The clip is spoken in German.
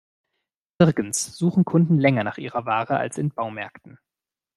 Nirgends suchen Kunden länger nach ihrer Ware als in Baumärkten.